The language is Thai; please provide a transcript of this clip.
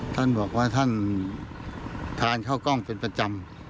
ท่านบอกว่าท่านทานข้าวกล้องเป็นประจำ